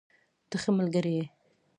ته ښه ملګری یې.